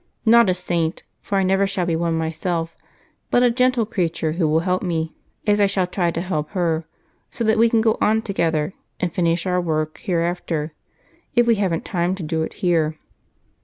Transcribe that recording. Not a saint, for I never shall be one myself, but a gentle creature who will help me, as I shall try to help her, so that we can go on together and finish our work hereafter, if we haven't time to do it here."